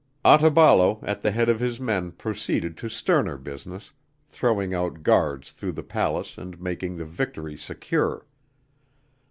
Otaballo at the head of his men proceeded to sterner business, throwing out guards through the palace and making the victory secure.